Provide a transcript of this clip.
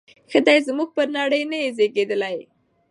ښه دی زموږ پر نړۍ نه یې زیږیدلی